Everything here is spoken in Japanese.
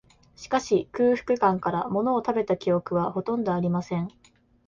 しかし、空腹感から、ものを食べた記憶は、ほとんどありません